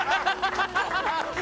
ハハハハ！